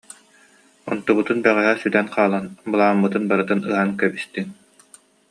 Онтубутун бэҕэһээ сүтэн хаалан, былааммытын барытын ыһан кэбистиҥ